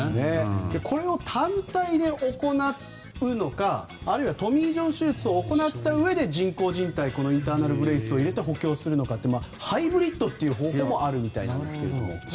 これを単体で行うのかあるいはトミー・ジョン手術を行ったうえで人工じん帯このインターナル・ブレースを入れて補強するのかハイブリッドという方法もあるみたいですが。